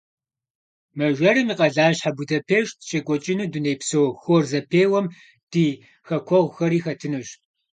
Мэжэрым и къэлащхьэ Будапешт щекӏуэкӏыну дунейпсо хор зэпеуэм ди хэкуэгъухэри хэтынущ.